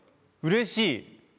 うれしい。